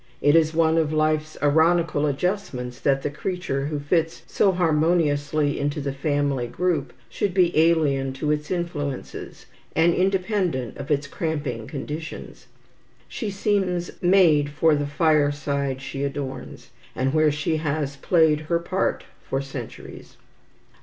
It is one of life's ironical adjustments that the creature who fits so harmoniously into the family group should be alien to its influences, and independent of its cramping conditions. She seems made for the fireside she adorns, and where she has played her part for centuries.